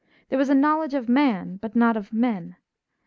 There was a knowledge of man but not of men.